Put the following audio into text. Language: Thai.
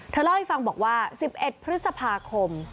เล่าให้ฟังบอกว่า๑๑พฤษภาคม